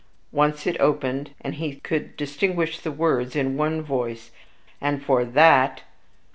Once it opened, and he could distinguish the words, in one voice, "And for THAT!"